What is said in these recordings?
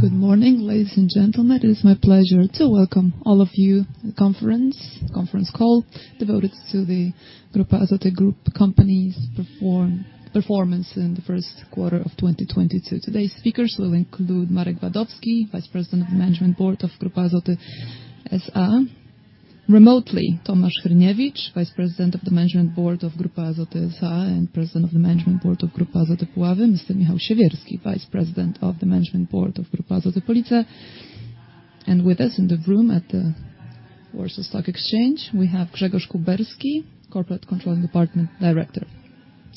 Good morning, ladies and gentlemen. It is my pleasure to welcome all of you to the conference call devoted to the Grupa Azoty group companies performance in the first quarter of 2022. Today's speakers will include Marek Wadowski, Vice President of the Management Board of Grupa Azoty S.A. Remotely, Tomasz Hryniewicz, Vice President of the Management Board of Grupa Azoty S.A. and President of the Management Board of Grupa Azoty Puławy. Mr. Michał Siewierski, Vice President of the Management Board of Grupa Azoty Police. With us in the room at the Warsaw Stock Exchange, we have Grzegorz Kuberski, Director of the Corporate Controlling Department.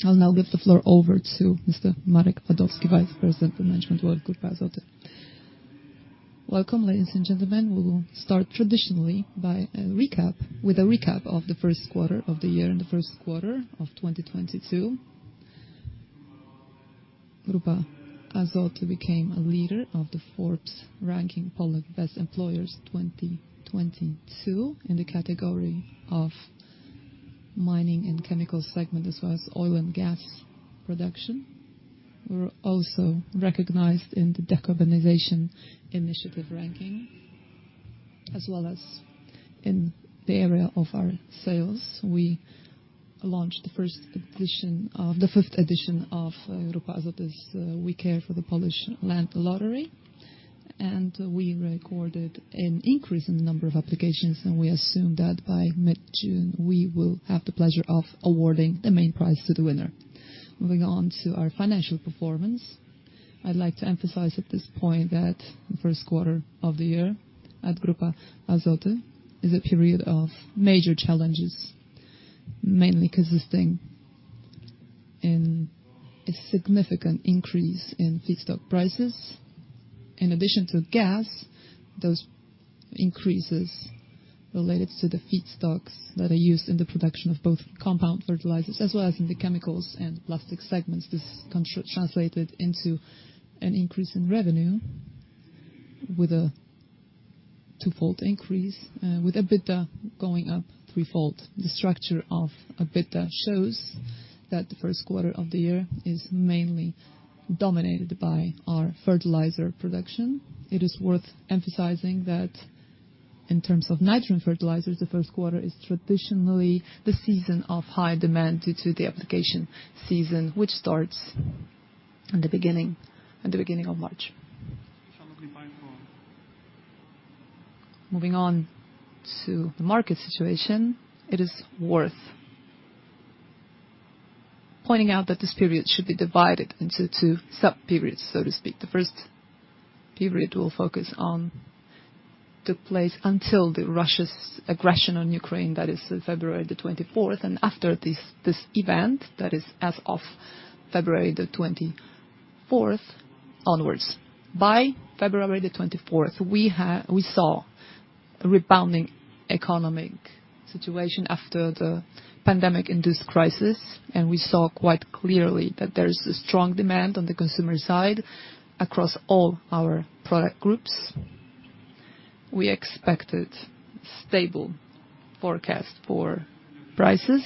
I'll now give the floor over to Mr. Marek Wadowski, Vice President of the Management Board of Grupa Azoty S.A. Welcome, ladies and gentlemen. We'll start traditionally by a recap, with a recap of the first quarter of the year. In the first quarter of 2022, Grupa Azoty became a leader of the fourth ranking Poland's Best Employers 2022 in the category of Mining and Chemical segment, as well as oil and gas production. We're also recognized in the Decarbonization Initiatives ranking, as well as in the area of our sales. We launched the fifth edition of Grupa Azoty's We Care for the Polish Land lottery, and we recorded an increase in the number of applications, and we assume that by mid-June, we will have the pleasure of awarding the main prize to the winner. Moving on to our financial performance, I'd like to emphasize at this point that the first quarter of the year at Grupa Azoty is a period of major challenges, mainly consisting in a significant increase in feedstock prices. In addition to gas, those increases related to the feedstocks that are used in the production of both compound fertilizers as well as in the Chemicals and Plastic segments. This translated into an increase in revenue with a twofold increase, with EBITDA going up three-fold. The structure of EBITDA shows that the first quarter of the year is mainly dominated by our fertilizer production. It is worth emphasizing that in terms of nitrogen fertilizers, the first quarter is traditionally the season of high demand due to the application season, which starts in the beginning of March. Moving on to the market situation, it is worth pointing out that this period should be divided into two sub-periods, so to speak. The first period we'll focus on took place until Russia's aggression on Ukraine, that is February 24th, and after this event, that is as of February 24th onwards. By February 24th, we saw a rebounding economic situation after the pandemic-induced crisis, and we saw quite clearly that there's a strong demand on the consumer side across all our product groups. We expected stable forecast for prices,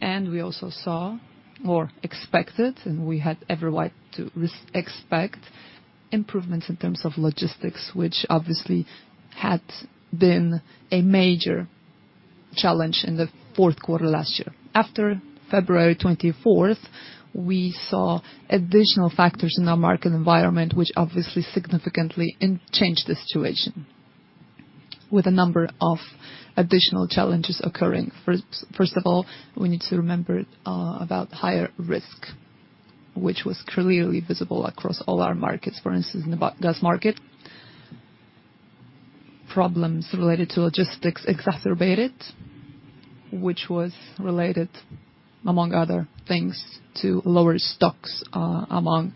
and we also saw or expected, and we had every right to expect improvements in terms of logistics, which obviously had been a major challenge in the fourth quarter last year. After February 24th, we saw additional factors in our market environment, which obviously significantly changed the situation with a number of additional challenges occurring. First of all, we need to remember about higher risk, which was clearly visible across all our markets. For instance, in the gas market, problems related to logistics exacerbated, which was related, among other things, to lower stocks among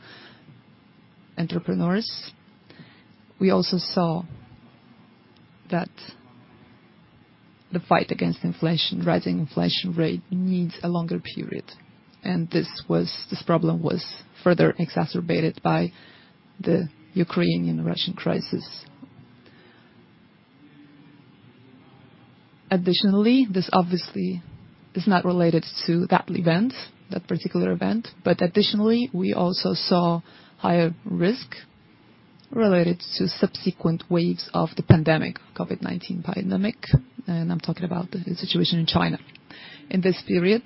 entrepreneurs. We also saw that the fight against inflation, rising inflation rate needs a longer period, and this was, this problem was further exacerbated by the Ukrainian-Russian crisis. Additionally, this obviously is not related to that event, that particular event, but additionally, we also saw higher risk related to subsequent waves of the pandemic, COVID-19 pandemic, and I'm talking about the situation in China. In this period,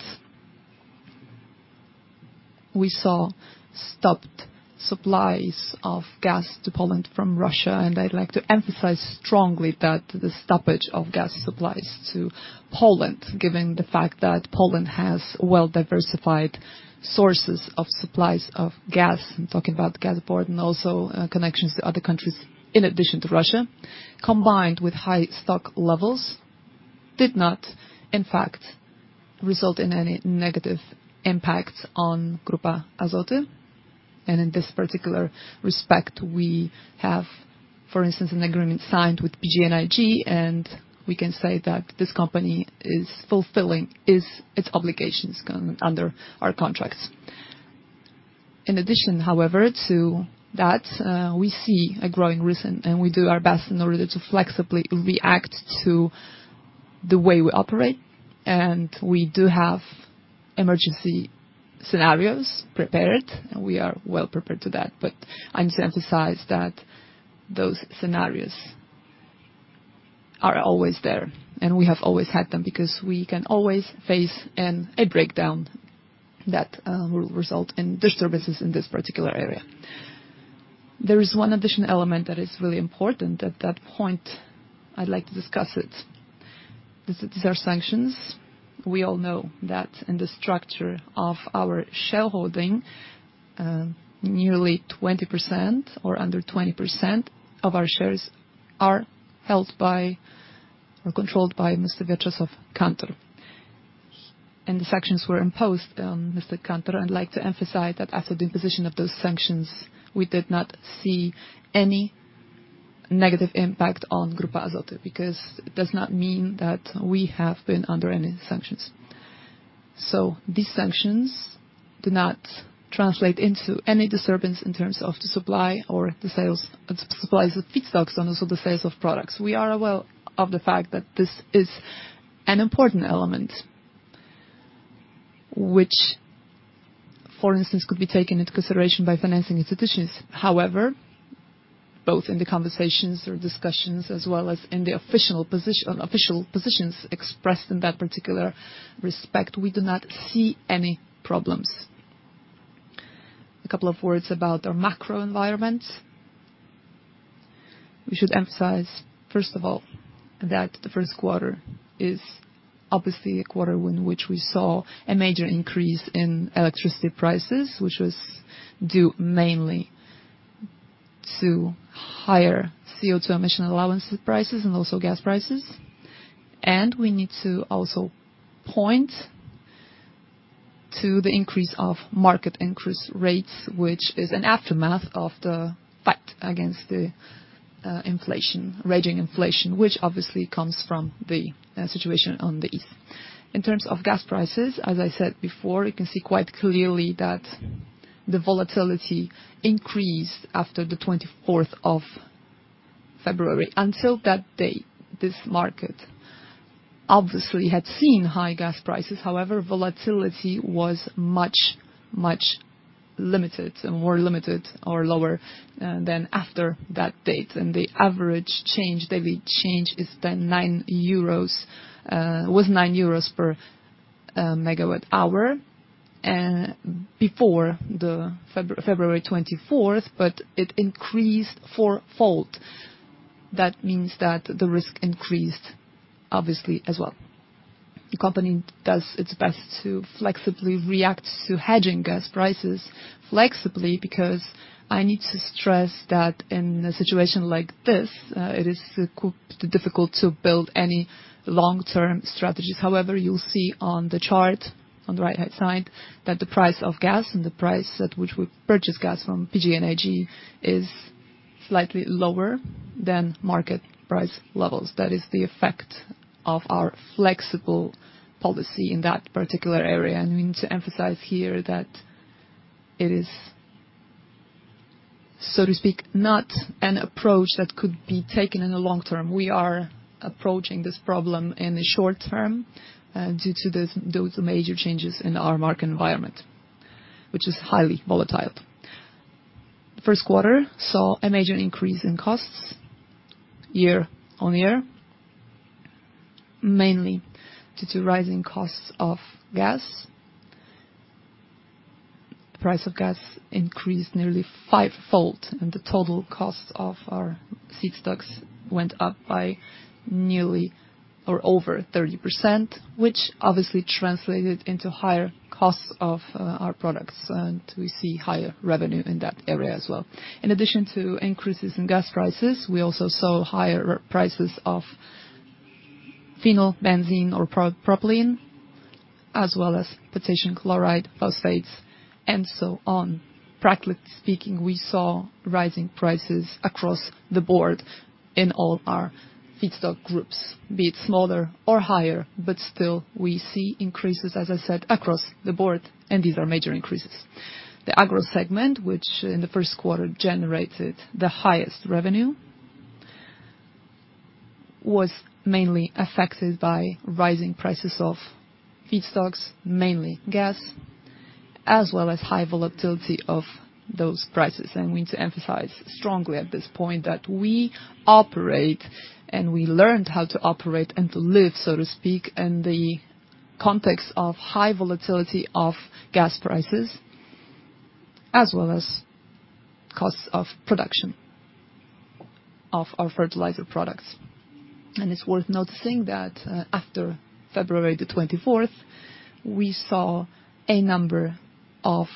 we saw stopped supplies of gas to Poland from Russia, and I'd like to emphasize strongly that the stoppage of gas supplies to Poland, given the fact that Poland has well-diversified sources of supplies of gas, I'm talking about Gaz-System and also, connections to other countries in addition to Russia, combined with high stock levels, did not in fact result in any negative impacts on Grupa Azoty. In this particular respect, we have, for instance, an agreement signed with PGNiG, and we can say that this company is fulfilling its obligations under our contracts. In addition, however, to that, we see a growing risk, and we do our best in order to flexibly react to. The way we operate, and we do have emergency scenarios prepared, and we are well-prepared to that. I must emphasize that those scenarios are always there, and we have always had them because we can always face a breakdown that will result in disturbances in this particular area. There is one additional element that is really important at that point. I'd like to discuss it. These are sanctions. We all know that in the structure of our shareholding, nearly 20% or under 20% of our shares are held by or controlled by Mr. Viatcheslav Kantor. The sanctions were imposed on Mr. Kantor. I'd like to emphasize that after the imposition of those sanctions, we did not see any negative impact on Grupa Azoty because it does not mean that we have been under any sanctions. These sanctions do not translate into any disturbance in terms of the supply or the sales, supplies of feedstocks and also the sales of products. We are aware of the fact that this is an important element, which, for instance, could be taken into consideration by financing institutions. However, both in the conversations or discussions as well as in the official position, official positions expressed in that particular respect, we do not see any problems. A couple of words about our macro environment. We should emphasize, first of all, that the first quarter is obviously a quarter in which we saw a major increase in electricity prices, which was due mainly to higher CO2 emission allowances prices and also gas prices. We need to also point to the increase of market increase rates, which is an aftermath of the fight against the inflation, raging inflation, which obviously comes from the situation on the east. In terms of gas prices, as I said before, you can see quite clearly that the volatility increased after the 24th of February. Until that date, this market obviously had seen high gas prices. However, volatility was much, much limited and more limited or lower than after that date. The average change, daily change is then 9 euros was 9 euros per megawatt hour before the February 24th, but it increased four-fold. That means that the risk increased obviously as well. The company does its best to flexibly react to hedging gas prices flexibly because I need to stress that in a situation like this, it is difficult to build any long-term strategies. However, you'll see on the chart on the right-hand side that the price of gas and the price at which we purchase gas from PGNiG is slightly lower than market price levels. That is the effect of our flexible policy in that particular area. We need to emphasize here that it is, so to speak, not an approach that could be taken in the long term. We are approaching this problem in the short term due to those major changes in our market environment, which is highly volatile. First quarter saw a major increase in costs year-over-year, mainly due to rising costs of gas. The price of gas increased nearly five-fold and the total cost of our feedstocks went up by nearly or over 30%, which obviously translated into higher costs of our products, and we see higher revenue in that area as well. In addition to increases in gas prices, we also saw higher prices of phenol, benzene or propylene, as well as potassium chloride, phosphates, and so on. Practically speaking, we saw rising prices across the board in all our feedstock groups, be it smaller or higher, but still we see increases, as I said, across the board, and these are major increases. The Agro segment, which in the first quarter generated the highest revenue, was mainly affected by rising prices of feedstocks, mainly gas, as well as high volatility of those prices. I need to emphasize strongly at this point that we operate and we learned how to operate and to live, so to speak, in the context of high volatility of gas prices as well as costs of production of our fertilizer products. It's worth noticing that, after February 24th, we saw a number of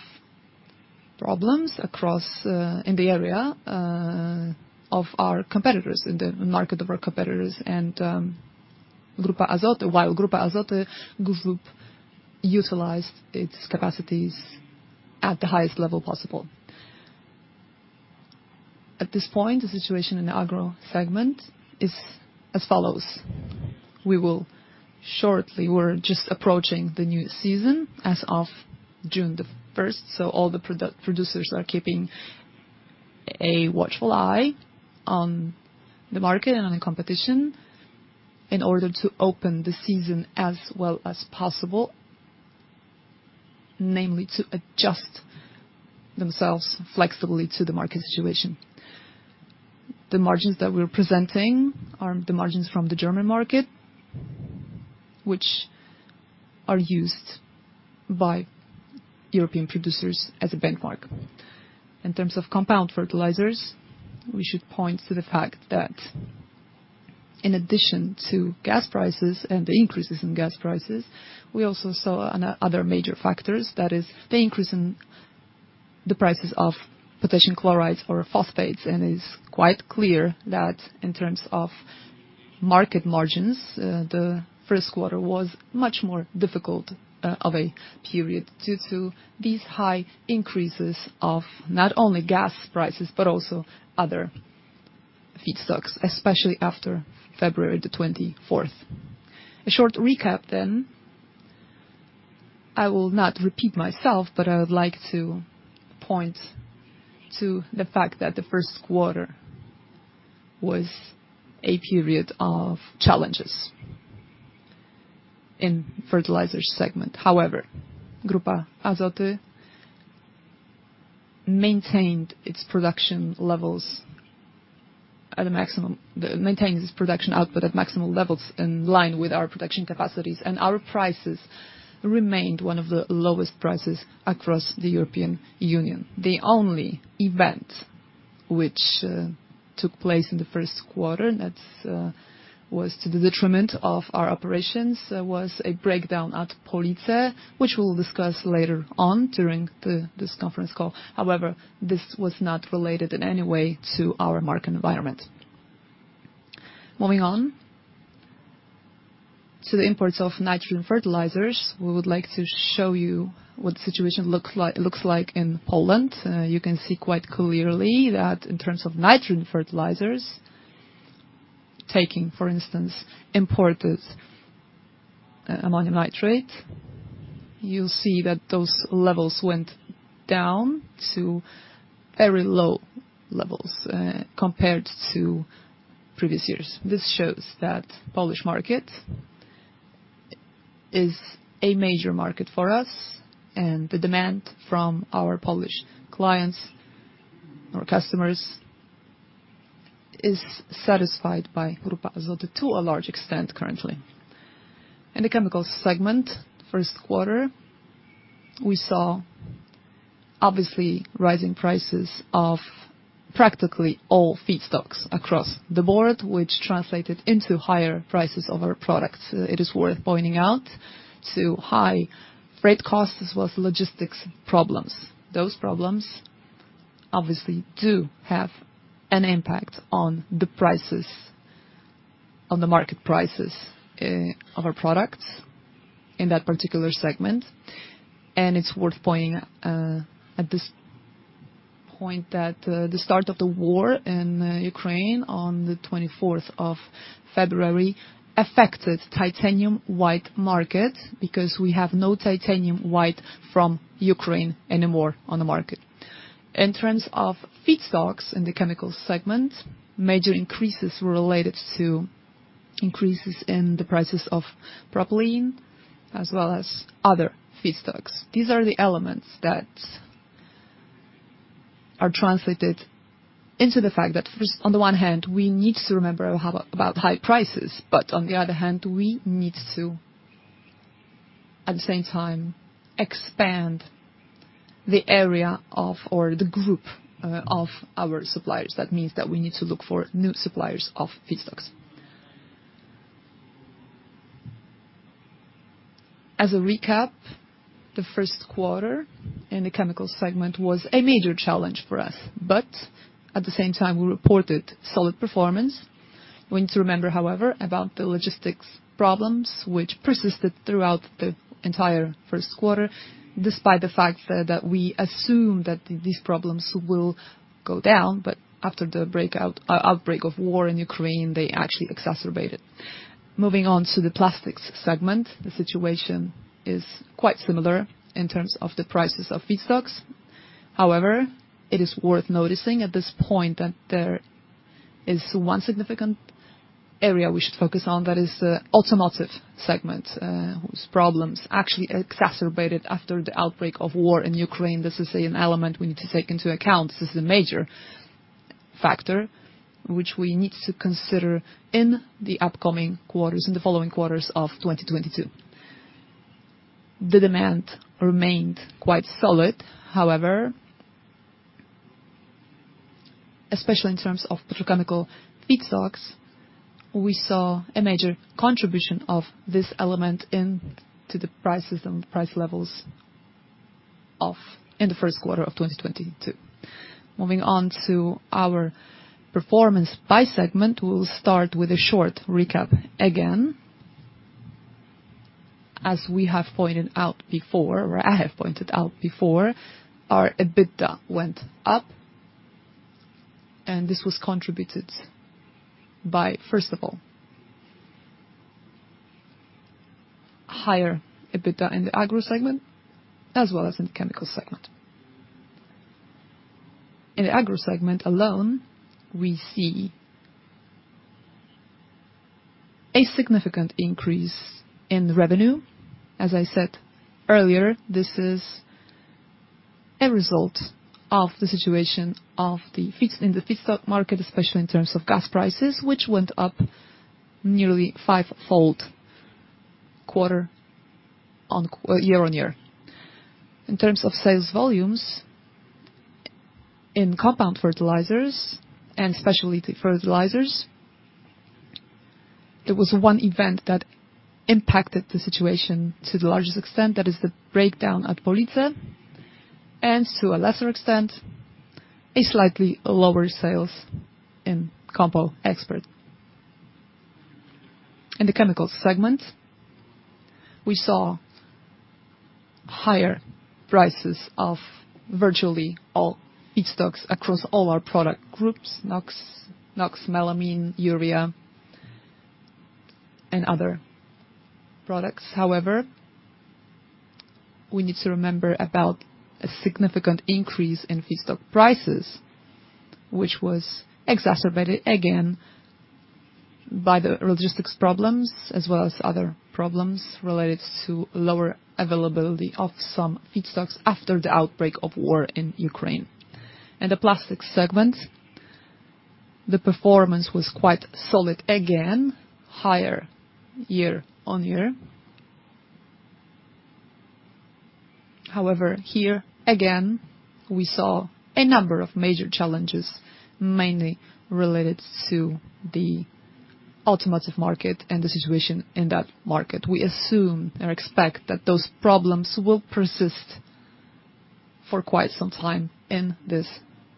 problems across, in the area, of our competitors, in the market of our competitors. Grupa Azoty, while Grupa Azoty Group utilized its capacities at the highest level possible. At this point, the situation in the Agro segment is as follows. We will shortly, we're just approaching the new season as of June the 1st so all the producers are keeping a watchful eye on the market and on the competition in order to open the season as well as possible, namely to adjust themselves flexibly to the market situation. The margins that we're presenting are the margins from the German market, which are used by European producers as a benchmark. In terms of compound fertilizers, we should point to the fact that in addition to gas prices and the increases in gas prices, we also saw other major factors. That is the increase in the prices of potassium chlorides or phosphates. It is quite clear that in terms of market margins, the first quarter was much more difficult of a period due to these high increases of not only gas prices, but also other feedstocks, especially after February the 24th. A short recap. I will not repeat myself, but I would like to point to the fact that the first quarter was a period of challenges in fertilizers segment. However, Grupa Azoty maintained its production output at maximum levels in line with our production capacities. Our prices remained one of the lowest prices across the European Union. The only event which took place in the first quarter, and that was to the detriment of our operations, was a breakdown at Police, which we'll discuss later on during this conference call. However, this was not related in any way to our market environment. Moving on to the imports of nitrogen fertilizers. We would like to show you what the situation looks like in Poland. You can see quite clearly that in terms of nitrogen fertilizers, taking, for instance, imported ammonium nitrate, you'll see that those levels went down to very low levels compared to previous years. This shows that Polish market is a major market for us, and the demand from our Polish clients or customers is satisfied by Grupa Azoty to a large extent currently. In the Chemicals segment, first quarter, we saw obviously rising prices of practically all feedstocks across the board, which translated into higher prices of our products. It is worth pointing out the high freight costs as well as logistics problems. Those problems obviously do have an impact on the prices, on the market prices, of our products in that particular segment. It is worth pointing out at this point that the start of the war in Ukraine on the 24th of February affected titanium white market because we have no titanium white from Ukraine anymore on the market. In terms of feedstocks in the chemicals segment, major increases related to increases in the prices of propylene as well as other feedstocks. These are the elements that are translated into the fact that first, on the one hand, we need to remember about high prices, but on the other hand, we need to, at the same time, expand the area of, or the group, of our suppliers. That means that we need to look for new suppliers of feedstocks. As a recap, the first quarter in the chemicals segment was a major challenge for us, but at the same time, we reported solid performance. We need to remember, however, about the logistics problems which persisted throughout the entire first quarter, despite the fact that we assumed that these problems will go down, but after the outbreak of war in Ukraine, they actually exacerbated. Moving on to the Plastics segment, the situation is quite similar in terms of the prices of feedstocks. However, it is worth noticing at this point that there is one significant area we should focus on that is the automotive segment, whose problems actually exacerbated after the outbreak of war in Ukraine. This is an element we need to take into account. This is a major factor which we need to consider in the upcoming quarters, in the following quarters of 2022. The demand remained quite solid, however. Especially in terms of petrochemical feedstocks, we saw a major contribution of this element into the prices and price levels in the first quarter of 2022. Moving on to our performance by segment, we'll start with a short recap again. As we have pointed out before, or I have pointed out before, our EBITDA went up, and this was contributed by, first of all, higher EBITDA in the Agro segment, as well as in the Chemical segment. In the Agro segment alone, we see a significant increase in revenue. As I said earlier, this is a result of the situation of the feedstock market, especially in terms of gas prices, which went up nearly five-fold year on year. In terms of sales volumes, in compound fertilizers and specialty fertilizers, there was one event that impacted the situation to the largest extent, that is the breakdown at Police, and to a lesser extent, a slightly lower sales in COMPO EXPERT. In the Chemical segment, we saw higher prices of virtually all feedstocks across all our product groups, OXO, melamine, urea, and other products. However, we need to remember about a significant increase in feedstock prices, which was exacerbated again by the logistics problems as well as other problems related to lower availability of some feedstocks after the outbreak of war in Ukraine. In the Plastics segment, the performance was quite solid, again, higher year-on-year. However, here again, we saw a number of major challenges, mainly related to the automotive market and the situation in that market. We assume or expect that those problems will persist for quite some time in this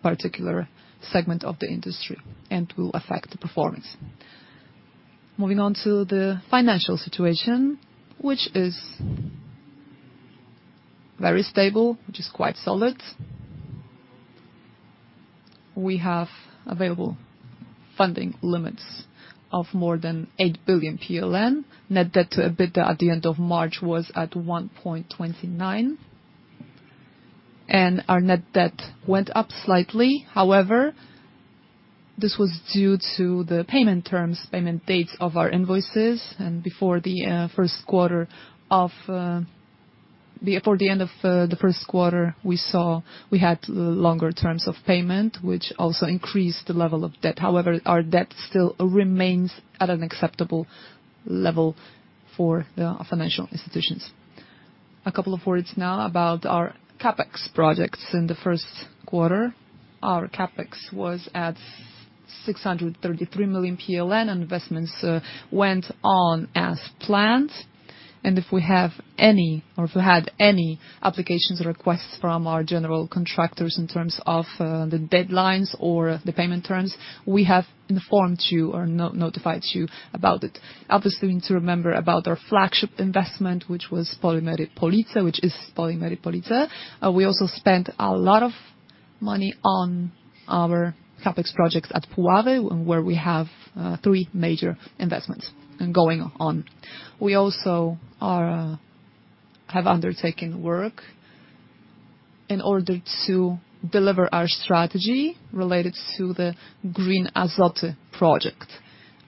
particular segment of the industry and will affect the performance. Moving on to the financial situation, which is very stable, which is quite solid. We have available funding limits of more than 8 billion PLN. Net Debt to EBITDA at the end of March was at 1.29%, and our Net Debt went up slightly. However, this was due to the payment terms, payment dates of our invoices. Before the first quarter or the end of the first quarter, we saw we had longer terms of payment, which also increased the level of debt. However, our debt still remains at an acceptable level for the financial institutions. A couple of words now about our CapEx projects. In the first quarter, our CapEx was at 633 million PLN, and investments went on as planned. If we have any, or if we had any applications or requests from our general contractors in terms of the deadlines or the payment terms, we have informed you or notified you about it. Obviously, we need to remember about our flagship investment, which was Polimery Police, which is Polimery Police. We also spent a lot of money on our CapEx projects at Puławy, where we have three major investments going on. We have undertaken work in order to deliver our strategy related to the Green Azoty project.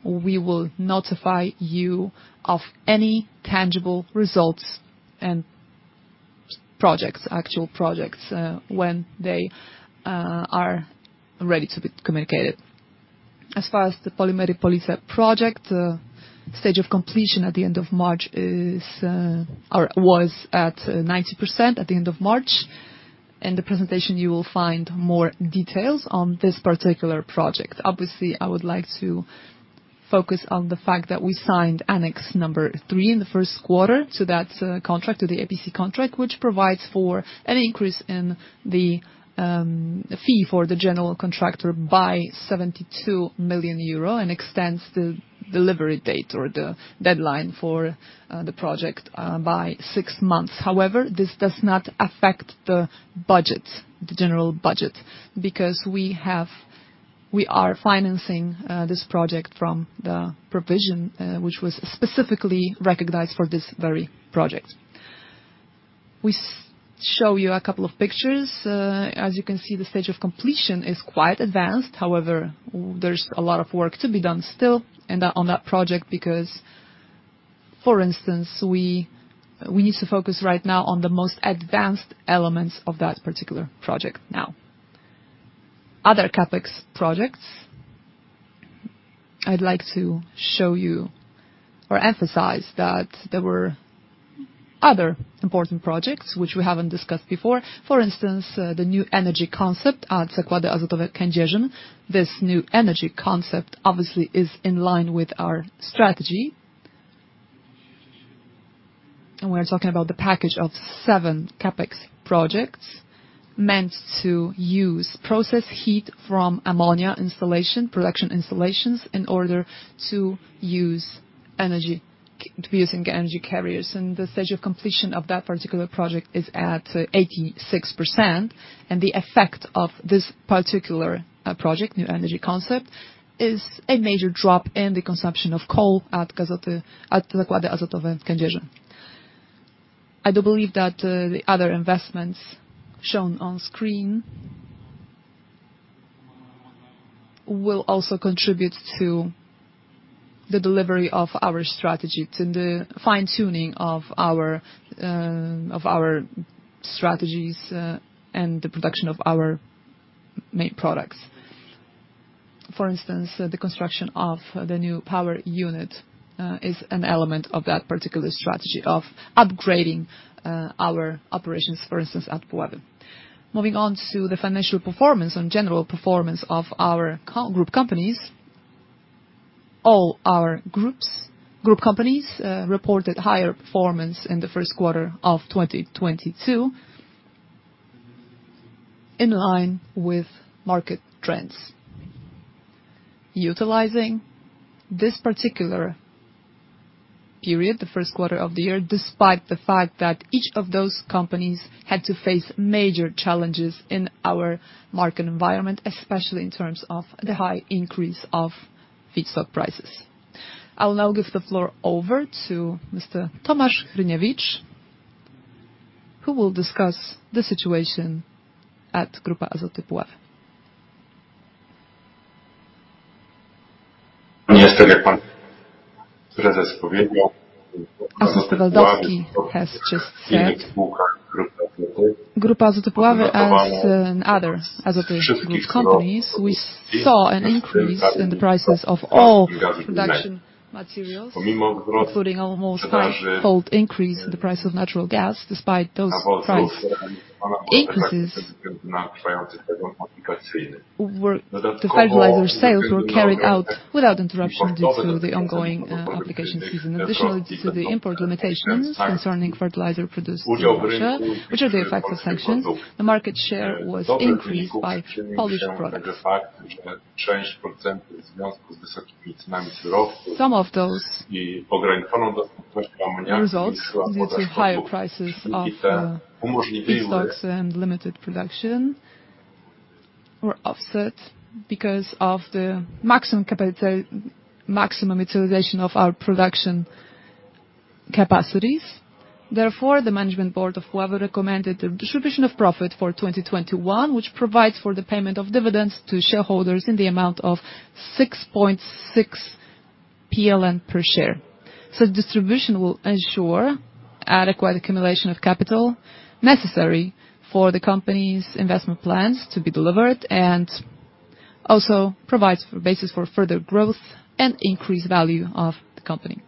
We will notify you of any tangible results and projects when they are ready to be communicated. As far as the Polimery Police project, stage of completion at the end of March is or was at 90% at the end of March. In the presentation, you will find more details on this particular project. Obviously, I would like to focus on the fact that we signed annex number three in the first quarter to that contract, to the EPC contract, which provides for an increase in the fee for the general contractor by 72 million euro and extends the delivery date or the deadline for the project by six months. However, this does not affect the budget, the general budget, because we are financing this project from the provision which was specifically recognized for this very project. We show you a couple of pictures. As you can see, the stage of completion is quite advanced. However, there's a lot of work to be done still and on that project, because, for instance, we need to focus right now on the most advanced elements of that particular project now. Other CapEx projects, I'd like to show you or emphasize that there were other important projects which we haven't discussed before. For instance, the new energy concept at Grupa Azoty Kędzierzyn. This new energy concept obviously is in line with our strategy. We're talking about the package of seven CapEx projects meant to use process heat from ammonia installation, production installations in order to use energy, to be using energy carriers. The stage of completion of that particular project is at 86%. The effect of this particular project, new energy concept, is a major drop in the consumption of coal at Grupa Azoty Kędzierzyn. I do believe that the other investments shown on screen will also contribute to the delivery of our strategy to the fine-tuning of our strategies and the production of our main products. For instance, the construction of the new power unit is an element of that particular strategy of upgrading our operations, for instance, at Puławy. Moving on to the financial performance and general performance of our group companies. All our group companies reported higher performance in the first quarter of 2022 in line with market trends. Utilizing this particular period, the first quarter of the year, despite the fact that each of those companies had to face major challenges in our market environment, especially in terms of the high increase of feedstock prices. I'll now give the floor over to Mr. Tomasz Hryniewicz, who will discuss the situation at Grupa Azoty Puławy. As Mr. Wadowski has just said, Grupa Azoty Puławy and other Azoty group companies, we saw an increase in the prices of all production materials, including almost five-fold increase in the price of natural gas. Despite those price increases, the fertilizer sales were carried out without interruption due to the ongoing applications season. Additionally to the import limitations concerning fertilizer produced in Russia, which are the effects of sanctions, the market share was increased by Polish products. Some of those results due to higher prices of feedstocks and limited production were offset because of the maximum utilization of our production capacities. Therefore, the Management Board recommended the distribution of profit for 2021, which provides for the payment of dividends to shareholders in the amount of 6.6 PLN per share. Such distribution will ensure adequate accumulation of capital necessary for the company's investment plans to be delivered and also provides a basis for further growth and increased value of the company.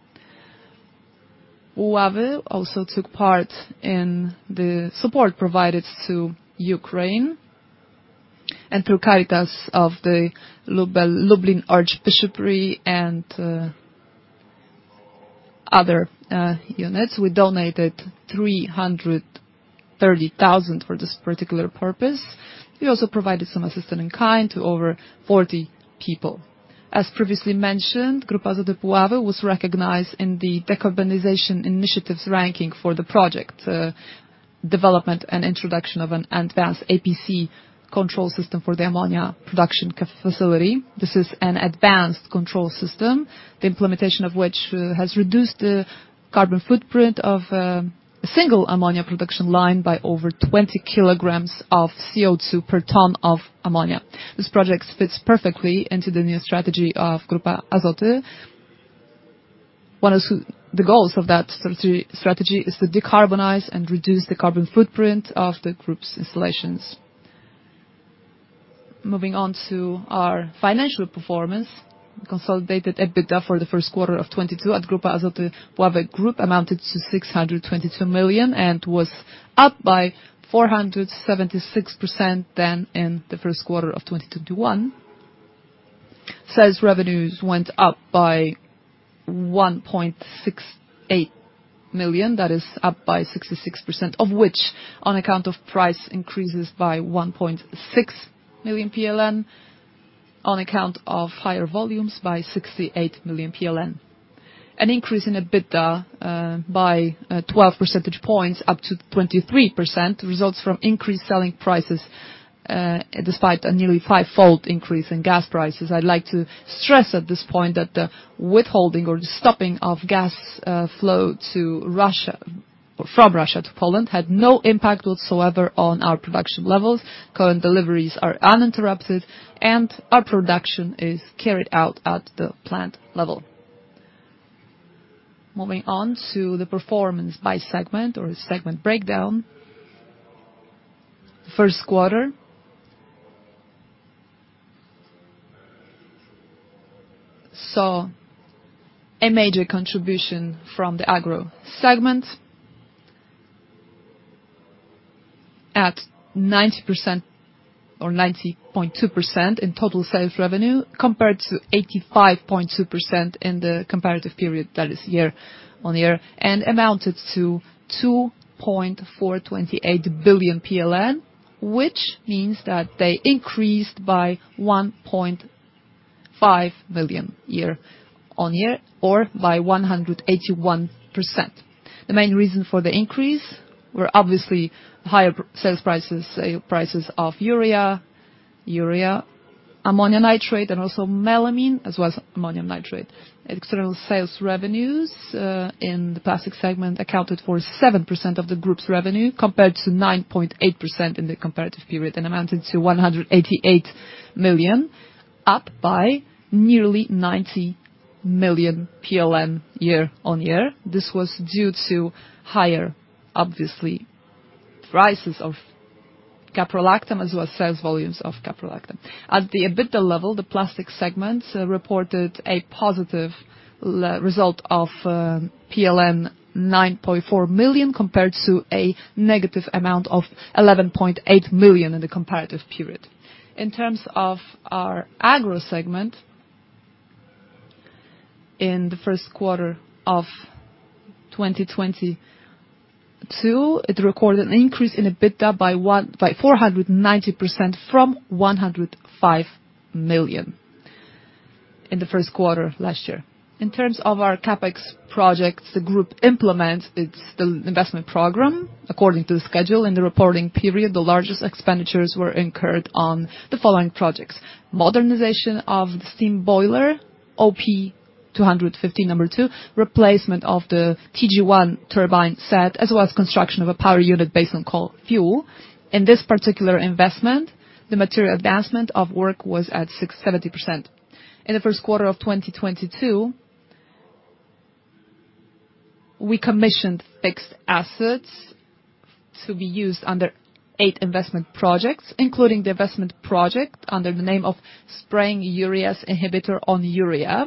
Puławy also took part in the support provided to Ukraine and through Caritas of the Lublin Archdiocese and other units. We donated 330,000 for this particular purpose. We also provided some assistance in kind to over 40 people. As previously mentioned, Grupa Azoty Puławy was recognized in the Decarbonization Initiatives ranking for the project development and introduction of an advanced APC control system for the ammonia production facility. This is an advanced control system, the implementation of which has reduced the carbon footprint of a single ammonia production line by over 20 kg of CO2 per ton of ammonia. This project fits perfectly into the new strategy of Grupa Azoty. One of the goals of that strategy is to decarbonize and reduce the carbon footprint of the group's installations. Moving on to our financial performance. Consolidated EBITDA for the first quarter of 2022 at Grupa Azoty Puławy Group amounted to 622 million and was up by 476% than in the first quarter of 2021. Sales revenues went up by 1.68 million, that is up by 66% of which on account of price increases by 1.6 million PLN on account of higher volumes by 68 million PLN. An increase in EBITDA by 12 percentage points up to 23% results from increased selling prices despite a nearly five-fold increase in gas prices. I'd like to stress at this point that the withholding or the stopping of gas flow to Russia or from Russia to Poland had no impact whatsoever on our production levels. Current deliveries are uninterrupted and our production is carried out at the plant level. Moving on to the performance by segment or segment breakdown. First quarter saw a major contribution from the Agro segment at 90% or 90.2% in total sales revenue compared to 85.2% in the comparative period that is year-on-year and amounted to 2.428 billion PLN, which means that they increased by 1.5 million year-on-year or by 181%. The main reason for the increase were obviously higher prices of urea, ammonium nitrate, and also melamine, as well as ammonium nitrate. External sales revenues in the Plastic segment accounted for 7% of the group's revenue compared to 9.8% in the comparative period and amounted to 188 million, up by nearly 90 million PLN year-on-year. This was due to higher, obviously, prices of caprolactam as well as sales volumes of caprolactam. At the EBITDA level, the Plastic segment reported a positive result of 9.4 million compared to a negative amount of 11.8 million in the comparative period. In terms of our Agro segment, in the first quarter of 2022, it recorded an increase in EBITDA by 490% from 105 million in the first quarter of last year. In terms of our CapEx projects, the group implements its investment program according to the schedule. In the reporting period, the largest expenditures were incurred on the following projects: modernization of the steam boiler OP-215 No. 2, replacement of the TG1 turbine set, as well as construction of a power unit based on coal fuel. In this particular investment, the material advancement of work was at 67%. In the first quarter of 2022, we commissioned fixed assets to be used under eight investment projects, including the investment project under the name of spraying urea's inhibitor on urea.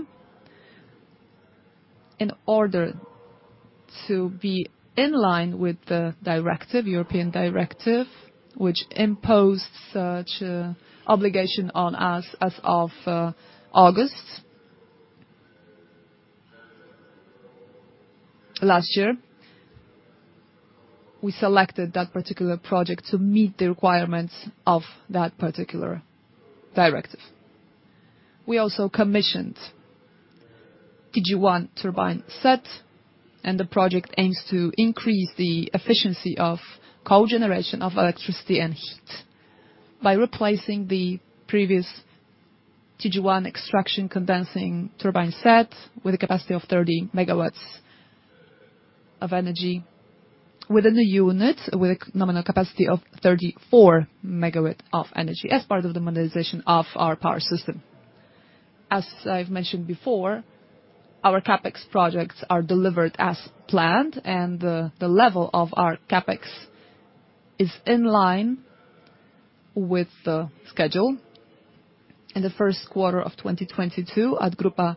In order to be in line with the European directive, which imposed such obligation on us as of August last year, we selected that particular project to meet the requirements of that particular directive. We also commissioned TG1 turbine set, and the project aims to increase the efficiency of cogeneration of electricity and heat by replacing the previous TG1 extraction condensing turbine set with a capacity of 30 MW of energy within a unit with a nominal capacity of 34 MW of energy as part of the modernization of our power system. As I've mentioned before, our CapEx projects are delivered as planned, and the level of our CapEx is in line with the schedule. In the first quarter of 2022, Grupa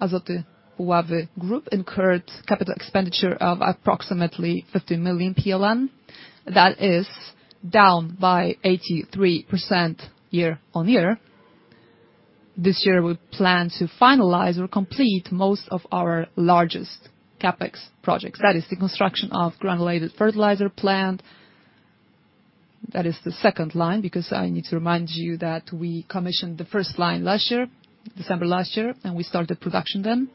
Azoty Puławy incurred capital expenditure of approximately 50 million PLN. That is down by 83% year-on-year. This year, we plan to finalize or complete most of our largest CapEx projects. That is the construction of granulated fertilizer plant. That is the second line, because I need to remind you that we commissioned the first line last year, December last year, and we started production then.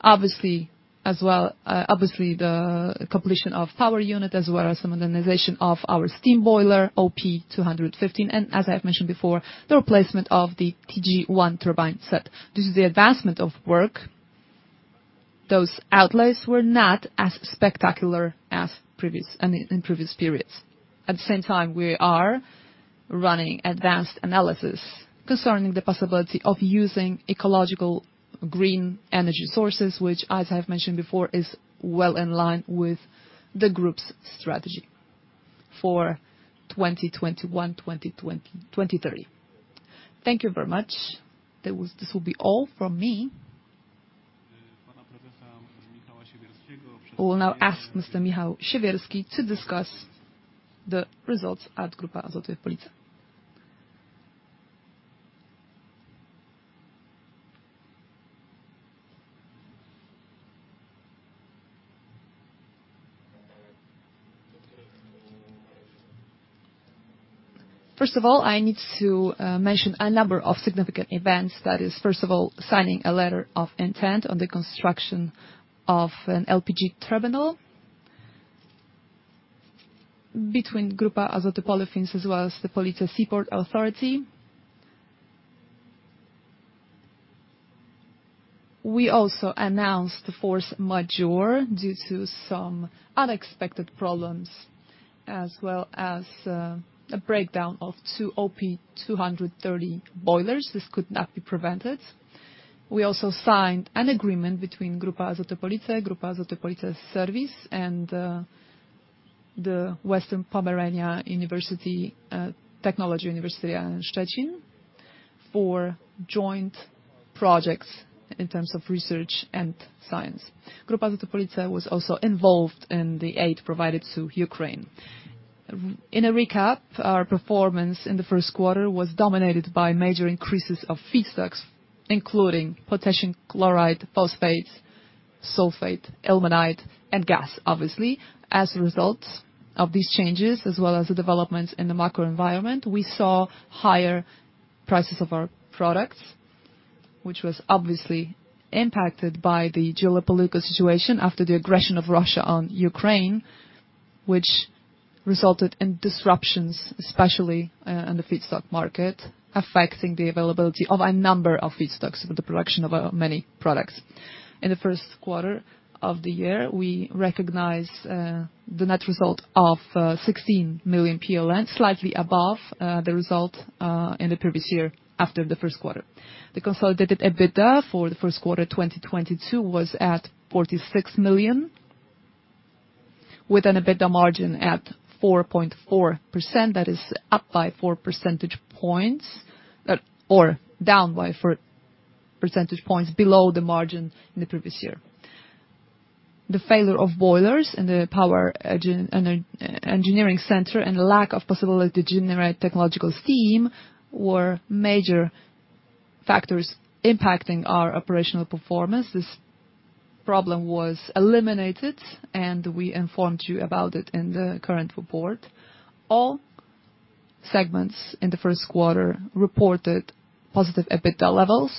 Obviously, as well, obviously the completion of power unit as well as the modernization of our steam boiler, OP-215, and as I have mentioned before, the replacement of the TG1 turbine set. Due to the advancement of work, those outlays were not as spectacular as in previous periods. At the same time, we are running advanced analysis concerning the possibility of using ecological green energy sources, which as I have mentioned before, is well in line with the group's strategy for 2021-2030. Thank you very much. This will be all from me. We'll now ask Mr. Michał Siewierski to discuss the results at Grupa Azoty Police. First of all, I need to mention a number of significant events. That is, first of all, signing a letter of intent on the construction of an LPG terminal between Grupa Azoty Polyolefins as well as the Zarząd Morskiego Portu Police. We also announced the force majeure due to some unexpected problems, as well as a breakdown of two OP-230 boilers. This could not be prevented. We also signed an agreement between Grupa Azoty Police, Grupa Azoty Police Serwis and the West Pomeranian University of Technology in Szczecin for joint projects in terms of research and science. Grupa Azoty Police was also involved in the aid provided to Ukraine. In a recap, our performance in the first quarter was dominated by major increases of feedstocks, including potassium chloride, phosphate, sulfur, ilmenite and gas, obviously. As a result of these changes, as well as the developments in the macro environment, we saw higher prices of our products. Which was obviously impacted by the geopolitical situation after the aggression of Russia on Ukraine, which resulted in disruptions, especially in the feedstock market, affecting the availability of a number of feedstocks for the production of many products. In the first quarter of the year, we recognized the net result of 16 million PLN, slightly above the result in the previous year after the first quarter. The consolidated EBITDA for the first quarter 2022 was at 46 million, with an EBITDA margin at 4.4%, that is up by four percentage points, or down by four percentage points below the margin in the previous year. The failure of boilers in the power and energy engineering center and the lack of possibility to generate technological steam were major factors impacting our operational performance. This problem was eliminated, and we informed you about it in the current report. All segments in the first quarter reported positive EBITDA levels.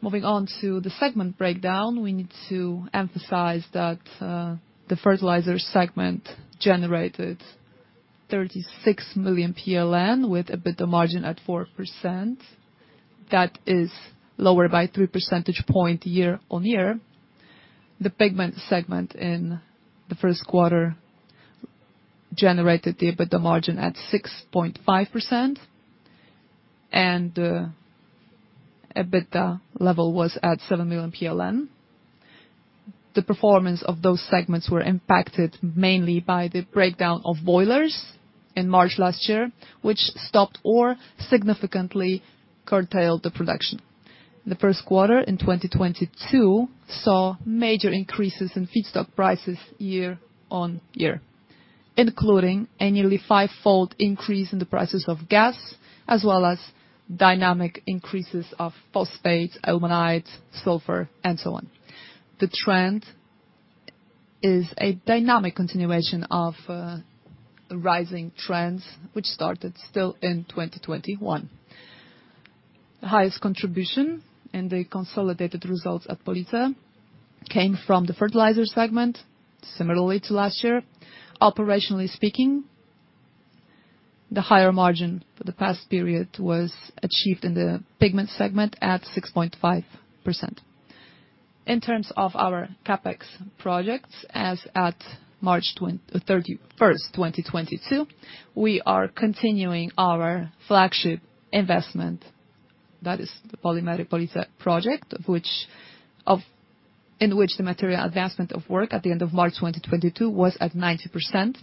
Moving on to the segment breakdown, we need to emphasize that, the fertilizer segment generated 36 million PLN with EBITDA margin at 4%. That is lower by 3 percentage points year-over-year. The pigment segment in the first quarter generated the EBITDA margin at 6.5%, and, EBITDA level was at 7 million PLN. The performance of those segments were impacted mainly by the breakdown of boilers in March last year, which stopped or significantly curtailed the production. The first quarter in 2022 saw major increases in feedstock prices year on year, including a nearly fivefold increase in the prices of gas, as well as dynamic increases of phosphate, ammonia, sulfur, and so on. The trend is a dynamic continuation of rising trends which started still in 2021. The highest contribution in the consolidated results at Police came from the fertilizer segment, similarly to last year. Operationally speaking, the higher margin for the past period was achieved in the pigment segment at 6.5%. In terms of our CapEx projects, as at March 31st, 2022, we are continuing our flagship investment. That is the Polimery Police project, in which the material advancement of work at the end of March 2022 was at 90%.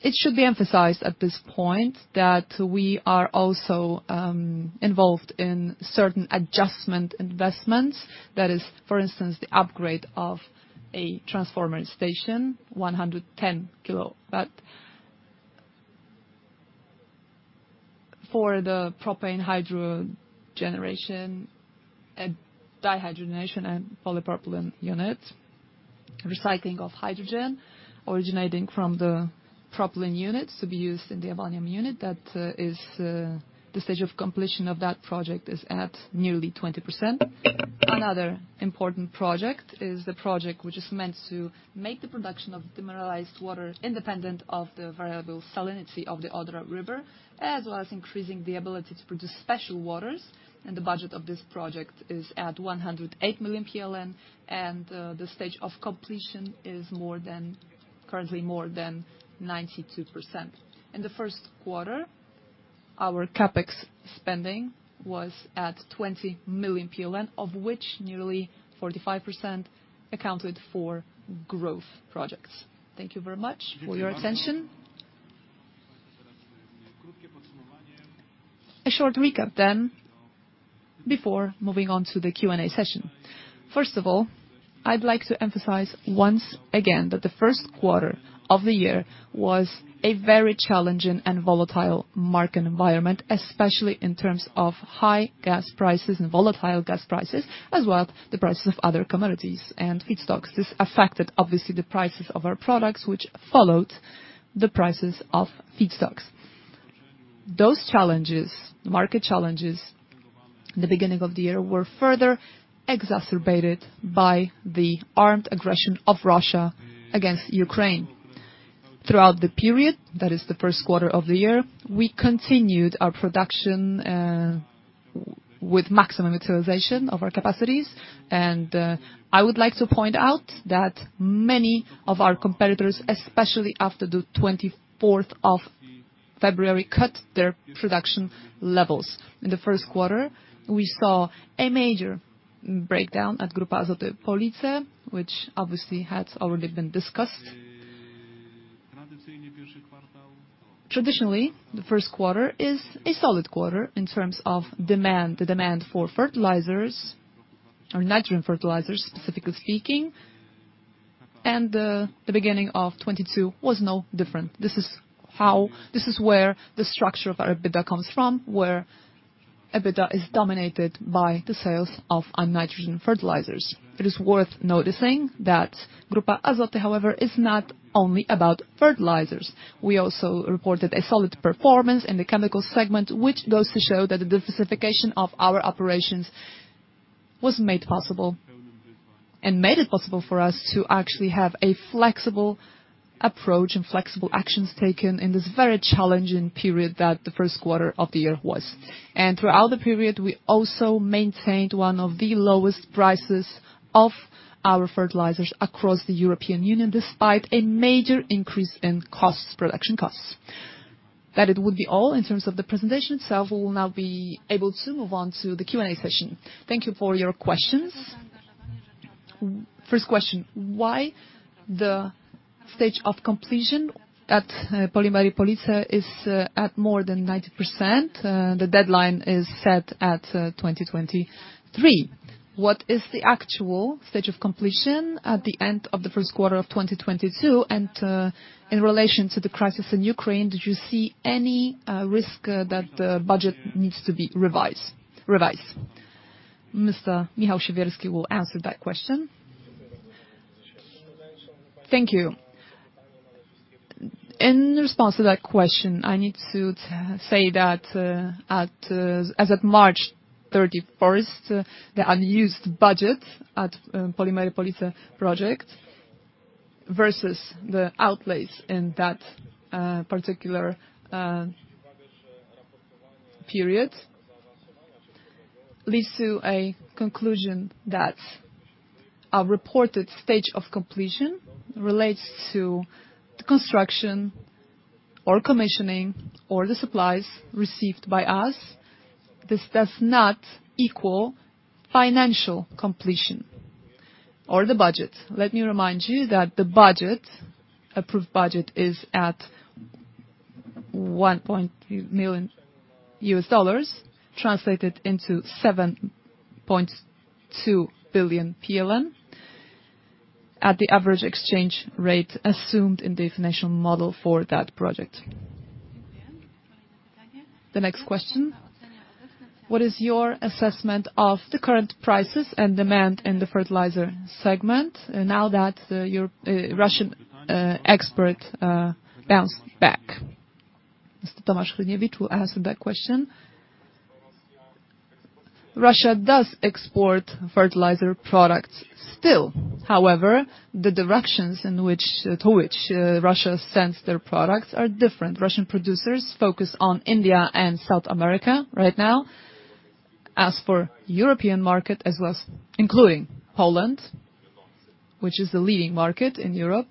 It should be emphasized at this point that we are also involved in certain adjustment investments. That is, for instance, the upgrade of a transformer station, 110 kilo. For the propane dehydrogenation and polypropylene units, recycling of hydrogen originating from the propylene units to be used in the ammonia unit, that is the stage of completion of that project is at nearly 20%. Another important project is the project which is meant to make the production of demineralized water independent of the variable salinity of the Oder River, as well as increasing the ability to produce special waters, and the budget of this project is at 108 million PLN, and the stage of completion is more than, currently more than 92%. In the first quarter, our CapEx spending was at 20 million PLN, of which nearly 45% accounted for growth projects. Thank you very much for your attention. A short recap then before moving on to the Q&A session. First of all, I'd like to emphasize once again that the first quarter of the year was a very challenging and volatile market environment, especially in terms of high gas prices and volatile gas prices, as well as the prices of other commodities and feedstocks. This affected, obviously, the prices of our products, which followed the prices of feedstocks. Those challenges, market challenges in the beginning of the year were further exacerbated by the armed aggression of Russia against Ukraine. Throughout the period, that is the first quarter of the year, we continued our production with maximum utilization of our capacities. I would like to point out that many of our competitors, especially after the 24th of February, cut their production levels. In the first quarter, we saw a major breakdown at Grupa Azoty Police, which obviously has already been discussed. Traditionally, the first quarter is a solid quarter in terms of demand, the demand for fertilizers or nitrogen fertilizers, specifically speaking, and the beginning of 2022 was no different. This is where the structure of our EBITDA comes from, where EBITDA is dominated by the sales of our nitrogen fertilizers. It is worth noticing that Grupa Azoty, however, is not only about fertilizers. We also reported a solid performance in the chemical segment, which goes to show that the diversification of our operations was made possible for us to actually have a flexible approach and flexible actions taken in this very challenging period that the first quarter of the year was. Throughout the period, we also maintained one of the lowest prices of our fertilizers across the European Union, despite a major increase in costs, production costs. That'll be all in terms of the presentation itself. We will now be able to move on to the Q&A session. Thank you for your questions. First question, why the stage of completion at Polimery Police is at more than 90%, the deadline is set at 2023? What is the actual stage of completion at the end of the first quarter of 2022 and, in relation to the crisis in Ukraine, did you see any risk that the budget needs to be revised? Mr. Michał Siewierski will answer that question. Thank you. In response to that question, I need to say that, as of March 31st, the unused budget at Polimery Police project versus the outlays in that particular period leads to a conclusion that our reported stage of completion relates to the construction or commissioning or the supplies received by us. This does not equal financial completion or the budget. Let me remind you that the budget, approved budget is at $1 million, translated into 7.2 billion PLN at the average exchange rate assumed in the financial model for that project. The next question, what is your assessment of the current prices and demand in the fertilizer segment now that your Russian export bounced back? Mr. Tomasz Hryniewicz will answer that question. Russia does export fertilizer products still. However, the directions in which, to which, Russia sends their products are different. Russian producers focus on India and South America right now. As for the European market, as well as including Poland, which is the leading market in Europe,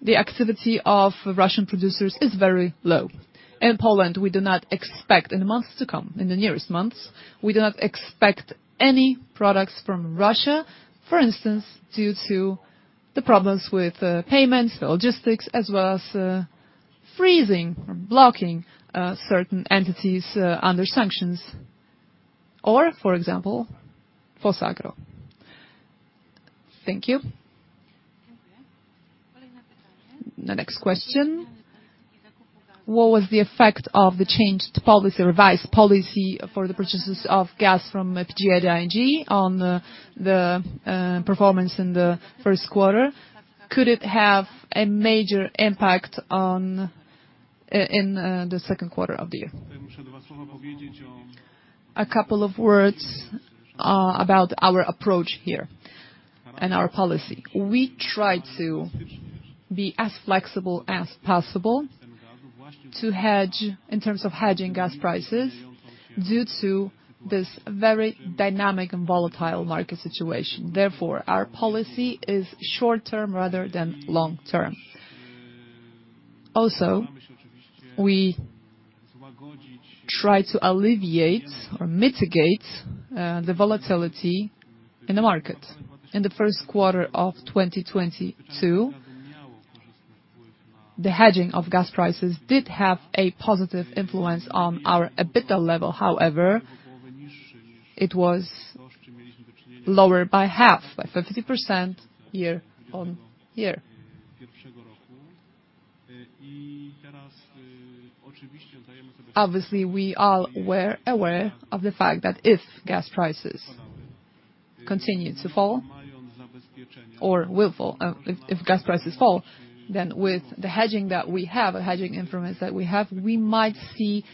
the activity of Russian producers is very low. In Poland, we do not expect in the months to come, in the nearest months, we do not expect any products from Russia, for instance, due to the problems with payments, the logistics, as well as freezing or blocking certain entities under sanctions or, for example, PhosAgro. Thank you. The next question, what was the effect of the changed policy, revised policy for the purchases of gas from PGNiG on the performance in the first quarter? Could it have a major impact on the second quarter of the year? A couple of words about our approach here and our policy. We try to be as flexible as possible to hedge in terms of hedging gas prices due to this very dynamic and volatile market situation. Therefore, our policy is short term rather than long term. Also, we try to alleviate or mitigate the volatility in the market. In the first quarter of 2022, the hedging of gas prices did have a positive influence on our EBITDA level. However, it was lower by half, by 50% year-on-year. Obviously, we are aware of the fact that if gas prices continue to fall or will fall, if gas prices fall, then with the hedging that we have, the hedging influence that we have, we might see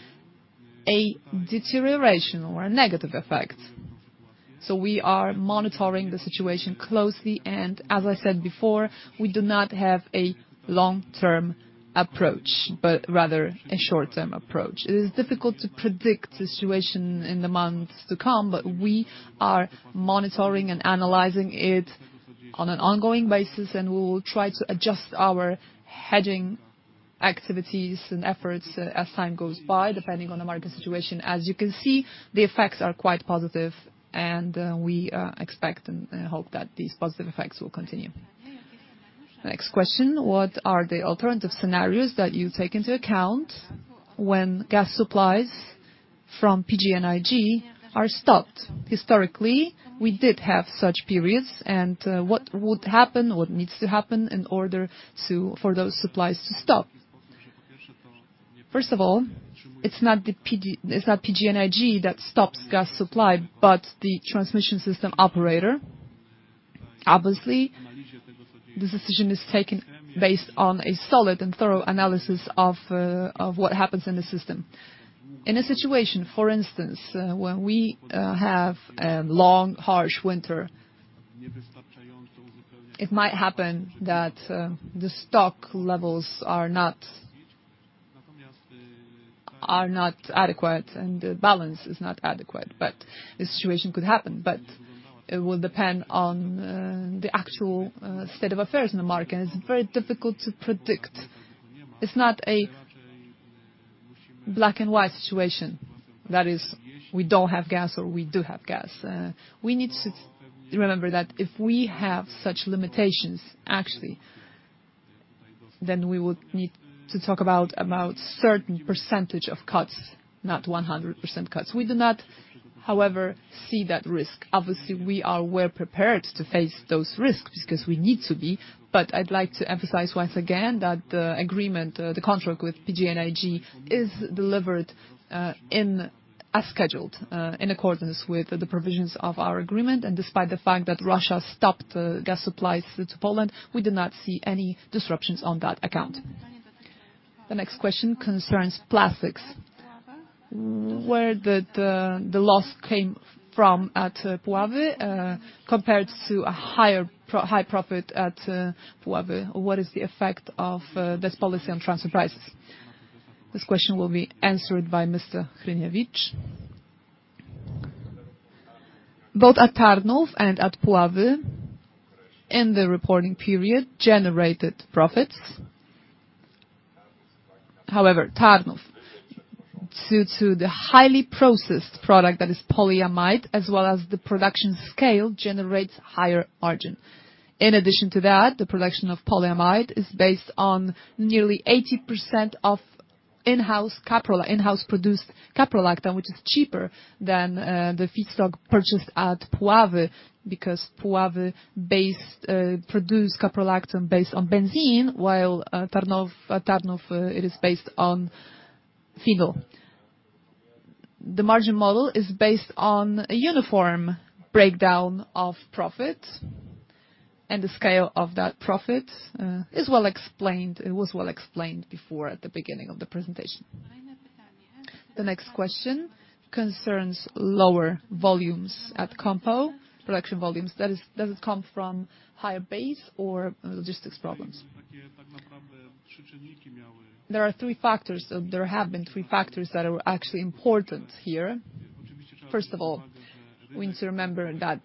a deterioration or a negative effect. We are monitoring the situation closely, and as I said before, we do not have a long-term approach, but rather a short-term approach. It is difficult to predict the situation in the months to come, but we are monitoring and analyzing it on an ongoing basis, and we will try to adjust our hedging activities and efforts as time goes by, depending on the market situation. As you can see, the effects are quite positive, and we expect and hope that these positive effects will continue. Next question, what are the alternative scenarios that you take into account when gas supplies from PGNiG are stopped? Historically, we did have such periods and, what would happen, what needs to happen in order to, for those supplies to stop? First of all, it's not PGNiG that stops gas supply, but the transmission system operator. Obviously, this decision is taken based on a solid and thorough analysis of what happens in the system. In a situation, for instance, when we have a long, harsh winter, it might happen that the stock levels are not adequate and the balance is not adequate. The situation could happen, but it will depend on the actual state of affairs in the market, and it's very difficult to predict. It's not a black-and-white situation. That is, we don't have gas or we do have gas. We need to remember that if we have such limitations actually, then we would need to talk about certain percentage of cuts, not 100% cuts. We do not, however, see that risk. Obviously, we are well prepared to face those risks because we need to be. I'd like to emphasize once again that the agreement, the contract with PGNiG is delivered as scheduled, in accordance with the provisions of our agreement. Despite the fact that Russia stopped gas supplies to Poland, we do not see any disruptions on that account. The next question concerns plastics. Where did the loss come from at Puławy, compared to a higher profit at Puławy? What is the effect of this policy on transfer prices? This question will be answered by Mr. Hryniewicz. Both at Tarnów and at Puławy in the reporting period generated profits. However, Tarnów, due to the highly processed product that is polyamide as well as the production scale, generates higher margin. In addition to that, the production of polyamide is based on nearly 80% of in-house-produced caprolactam, which is cheaper than the feedstock purchased at Puławy because Puławy based produce caprolactam based on benzene, while Tarnów it is based on phenol. The margin model is based on a uniform breakdown of profit, and the scale of that profit is well explained. It was well explained before at the beginning of the presentation. The next question concerns lower volumes at COMPO EXPERT, production volumes. That is, does it come from higher base or logistics problems? There are three factors. There have been three factors that are actually important here. First of all, we need to remember that,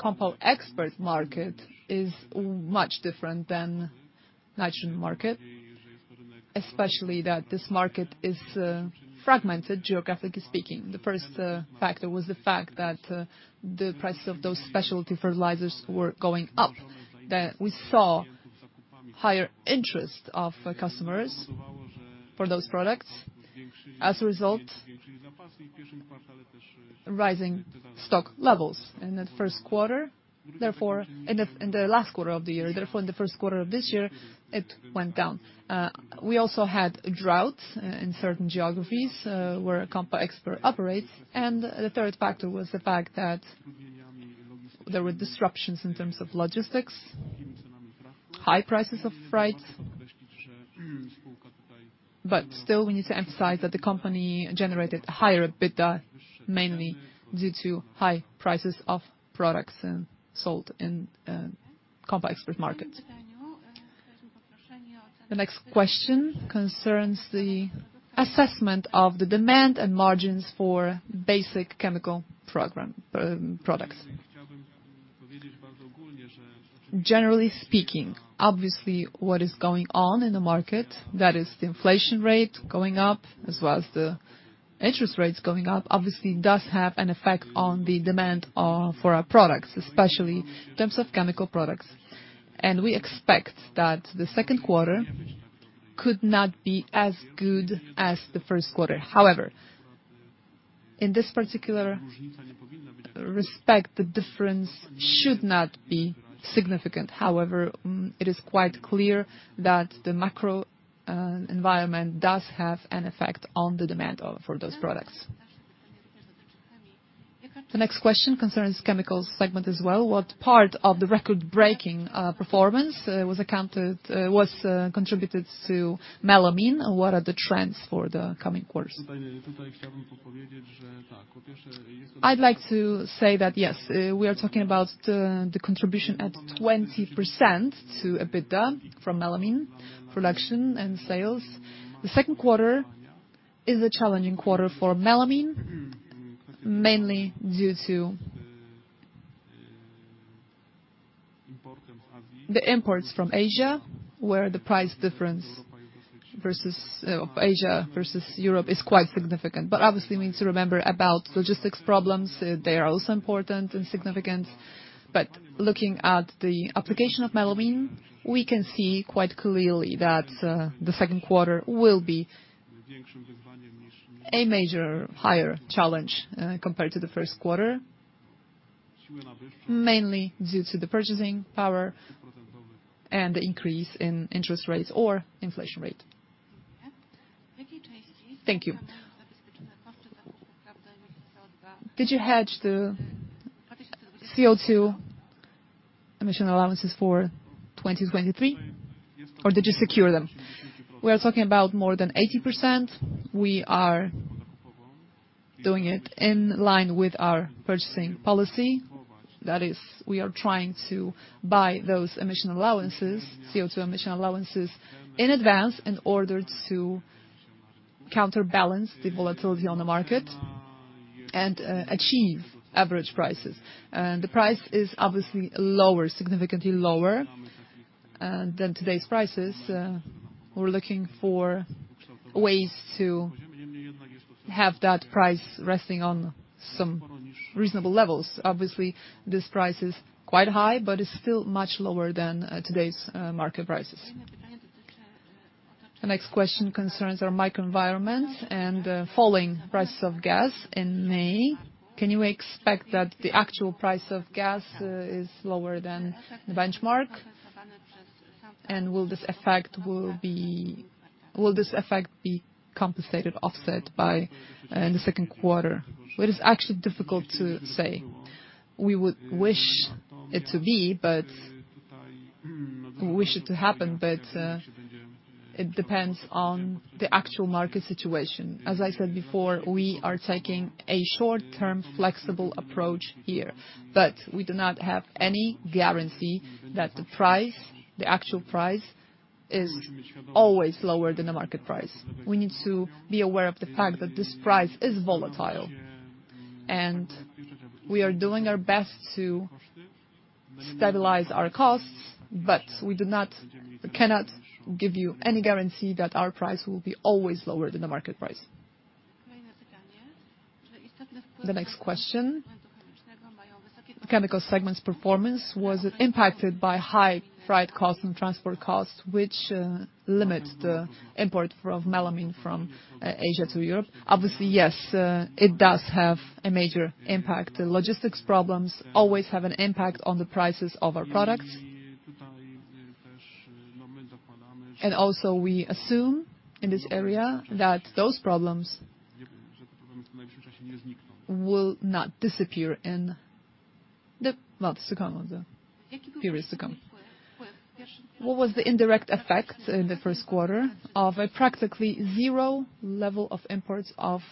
COMPO EXPERT market is much different than nitrogen market, especially that this market is fragmented, geographically speaking. The first factor was the fact that the prices of those specialty fertilizers were going up. Then we saw higher interest of customers for those products. As a result, rising stock levels in the first quarter, therefore in the last quarter of the year. Therefore, in the first quarter of this year, it went down. We also had droughts in certain geographies where COMPO EXPERT operates. The third factor was the fact that there were disruptions in terms of logistics, high prices of freight. Still, we need to emphasize that the company generated a higher EBITDA mainly due to high prices of products sold in COMPO EXPERT markets. The next question concerns the assessment of the demand and margins for basic chemical products. Generally speaking, obviously, what is going on in the market, that is the inflation rate going up as well as the interest rates going up, obviously does have an effect on the demand for our products, especially in terms of chemical products. We expect that the second quarter could not be as good as the first quarter. However, in this particular respect, the difference should not be significant. However, it is quite clear that the macro environment does have an effect on the demand for those products. The next question concerns Chemicals segment as well. What part of the record-breaking performance was contributed to melamine, and what are the trends for the coming quarters? I'd like to say that yes, we are talking about the contribution at 20% to EBITDA from melamine production and sales. The second quarter is a challenging quarter for melamine, mainly due to the imports from Asia, where the price difference versus of Asia versus Europe is quite significant. Obviously, we need to remember about logistics problems. They are also important and significant. Looking at the application of melamine, we can see quite clearly that the second quarter will be a major higher challenge compared to the first quarter, mainly due to the purchasing power and the increase in interest rates or inflation rate. Thank you. Did you hedge the CO2 emission allowances for 2023 or did you secure them? We are talking about more than 80%. We are doing it in line with our purchasing policy. That is, we are trying to buy those emission allowances, CO2 emission allowances in advance in order to counterbalance the volatility on the market and achieve average prices. The price is obviously lower, significantly lower, than today's prices. We're looking for ways to have that price resting on some reasonable levels. Obviously, this price is quite high, but it's still much lower than today's market prices. The next question concerns our macro environment and the falling prices of gas in May. Can you expect that the actual price of gas is lower than the benchmark? Will this effect be compensated, offset by, in the second quarter? Well, it's actually difficult to say. We would wish it to be, but we wish it to happen, but it depends on the actual market situation. As I said before, we are taking a short-term flexible approach here, but we do not have any guarantee that the price, the actual price, is always lower than the market price. We need to be aware of the fact that this price is volatile, and we are doing our best to stabilize our costs, but we do not, we cannot give you any guarantee that our price will be always lower than the market price. The next question, the chemical segment's performance, was it impacted by high freight costs and transport costs which limit the import of melamine from Asia to Europe? Obviously, yes, it does have a major impact. The logistics problems always have an impact on the prices of our products. Also we assume in this area that those problems will not disappear in the months to come or the periods to come. What was the indirect effect in the first quarter of a practically zero level of imports of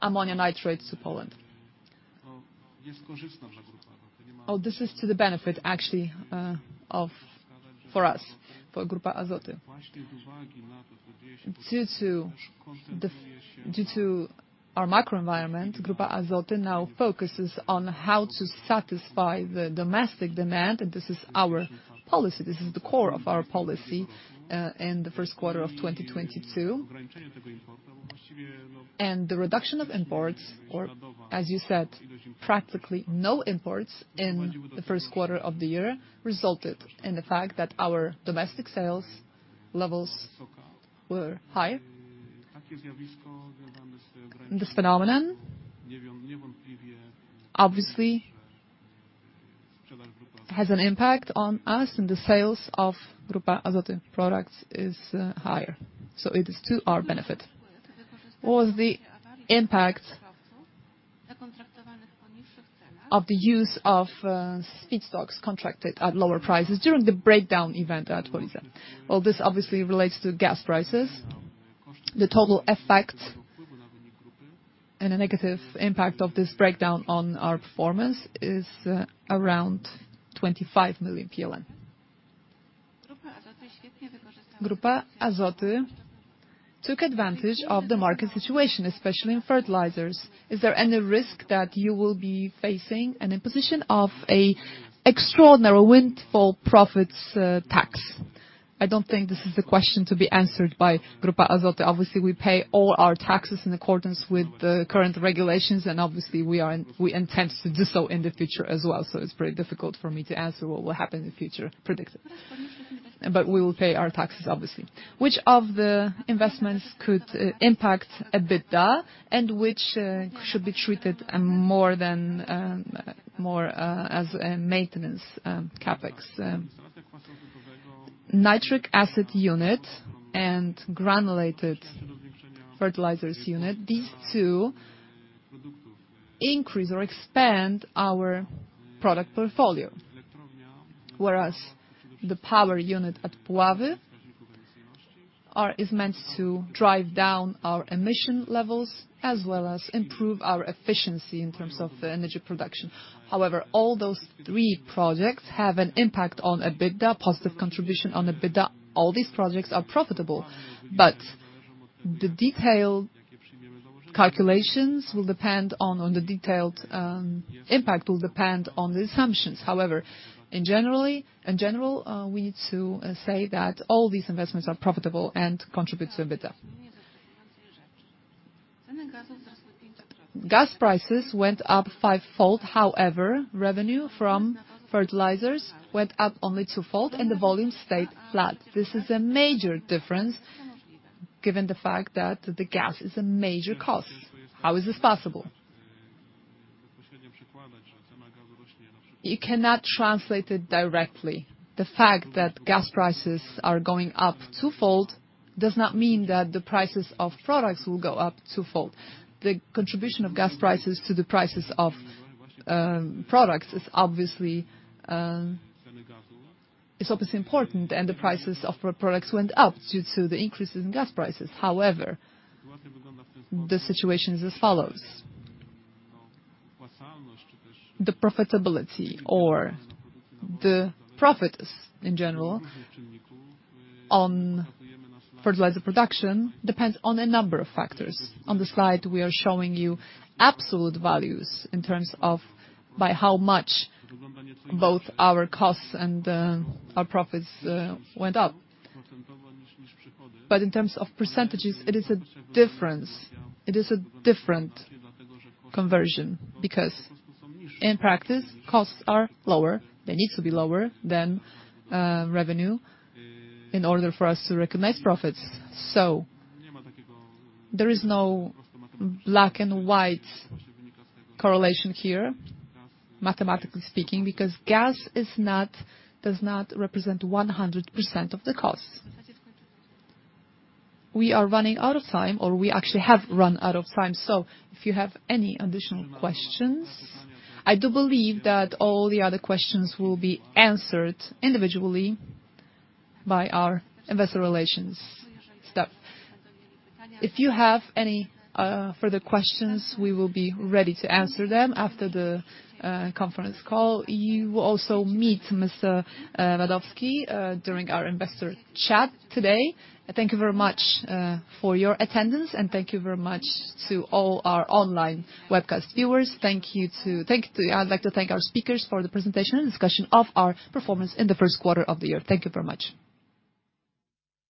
ammonium nitrate to Poland? This is to the benefit actually of, for us, for Grupa Azoty. Due to our microenvironment, Grupa Azoty now focuses on how to satisfy the domestic demand, and this is our policy. This is the core of our policy in the first quarter of 2022. The reduction of imports, or as you said, practically no imports in the first quarter of the year, resulted in the fact that our domestic sales levels were high. This phenomenon obviously has an impact on us and the sales of Grupa Azoty products is higher. It is to our benefit. What was the impact of the use of safety stocks contracted at lower prices during the breakdown event at Police? Well, this obviously relates to gas prices. The total effect and a negative impact of this breakdown on our performance is around PLN 25 million. Grupa Azoty took advantage of the market situation, especially in fertilizers. Is Is there any risk that you will be facing an imposition of an extraordinary windfall profits tax? I don't think this is a question to be answered by Grupa Azoty. Obviously, we pay all our taxes in accordance with the current regulations, and obviously, we intend to do so in the future as well. It's very difficult for me to answer what will happen in the future, predict it. We will pay our taxes, obviously. Which of the investments could impact EBITDA, and which should be treated more as a maintenance CapEx? Nitric acid unit and granulated fertilizers unit, these two increase or expand our product portfolio. Whereas the power unit at Puławy is meant to drive down our emission levels as well as improve our efficiency in terms of energy production. However, all those three projects have an impact on EBITDA, positive contribution on EBITDA. All these projects are profitable, but the detailed impact will depend on the assumptions. However, in general, we need to say that all these investments are profitable and contribute to EBITDA. Gas prices went up five-fold, however, revenue from fertilizers went up only two-fold and the volume stayed flat. This is a major difference given the fact that the gas is a major cost. How is this possible? You cannot translate it directly. The fact that gas prices are going up two-fold does not mean that the prices of products will go up two-fold. The contribution of gas prices to the prices of products is obviously important, and the prices of products went up due to the increases in gas prices. However, the situation is as follows. The profitability or the profits in general on fertilizer production depends on a number of factors. On the slide, we are showing you absolute values in terms of by how much both our costs and our profits went up. In terms of percentages, it is a difference. It is a different conversion because in practice, costs are lower. They need to be lower than revenue in order for us to recognize profits. There is no black and white correlation here, mathematically speaking, because gas does not represent 100% of the cost. We are running out of time, or we actually have run out of time. If you have any additional questions, I do believe that all the other questions will be answered individually by our investor relations staff. If you have any further questions, we will be ready to answer them after the conference call. You will also meet Mr. Wadowski during our investor chat today. Thank you very much for your attendance and thank you very much to all our online webcast viewers. I'd like to thank our speakers for the presentation and discussion of our performance in the first quarter of the year. Thank you very much.